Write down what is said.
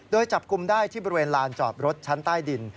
โดยจับกลุ่มได้ที่บริเวณลานจอดรถชั้นใต้ดิน